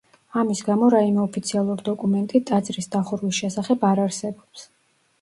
ამის გამო რაიმე ოფიციალურ დოკუმენტი ტაძრის დახურვის შესახებ არ არსებობს.